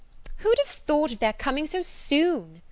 "Who'd have thought of their coming so soon?"